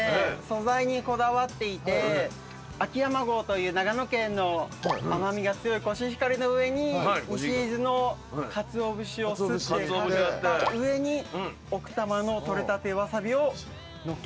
素材にこだわっていて秋山郷という長野県の甘味が強いコシヒカリの上に西伊豆のかつお節をすって掛けた上に奥多摩の採れたてわさびをのっけています。